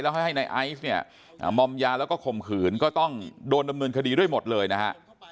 ให้นายไอซ์เนี่ยมอมยาแล้วก็ข่มขืนก็ต้องโดนดำเนินคดีด้วยหมดเลยนะฮะ